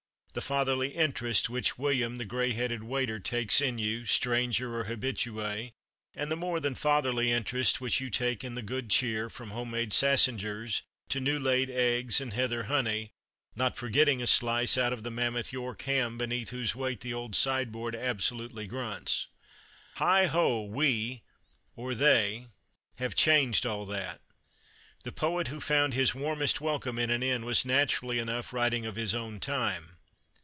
The fatherly interest which "William," the grey headed waiter, takes in you stranger or habitué and the more than fatherly interest which you take in the good cheer, from home made "sassingers" to new laid eggs, and heather honey, not forgetting a slice out of the mammoth York ham, beneath whose weight the old sideboard absolutely grunts. Heigho! we, or they, have changed all that. The poet who found his "warmest welcome in an inn" was, naturally enough, writing of his own time.